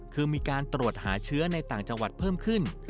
คือมีการตรวจหาเชื้อในต่างจังหวัดเพิ่มขึ้น